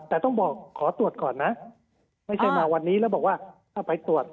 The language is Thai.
แต่ต้องบอกขอตรวจก่อนนะไม่ใช่มาวันนี้แล้วบอกว่าถ้าไปตรวจ